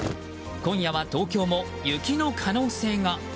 今夜は東京も雪の可能性が。